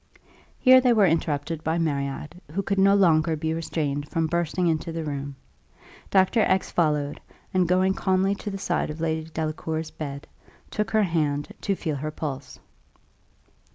Here they were interrupted by Marriott, who could no longer be restrained from bursting into the room. Dr. X followed, and going calmly to the side of Lady Delacour's bed, took her hand to feel her pulse.